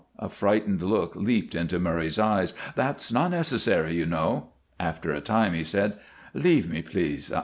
A frightened look leaped into Murray's eyes. "That's not necessary, you know." After a time he said: "Leave me, please.